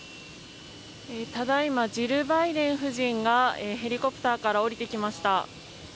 ただ今ジル・バイデン夫人がヘリコプターから降りてきました。